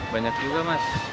banyak juga mas